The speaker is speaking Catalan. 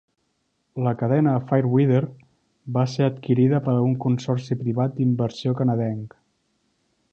La cadena Fairweather va ser adquirida per un consorci privat d'inversió canadenc.